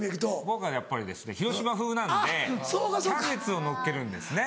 僕はやっぱり広島風なんでキャベツをのっけるんですね。